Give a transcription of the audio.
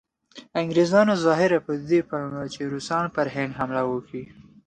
انګریزانو ظاهراً په دې پلمه چې روسان پر هند حمله کوي.